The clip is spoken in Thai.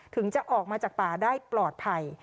ถึงจะออกมาจากป่าได้ปลอดภัย